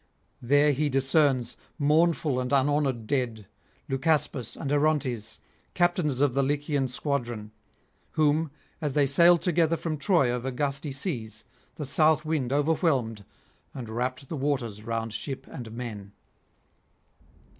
There he discerns, mournful and unhonoured dead, Leucaspis and Orontes, captains of the Lycian squadron, whom, as they sailed together from Troy over gusty seas, the south wind overwhelmed and wrapped the waters round ship and men.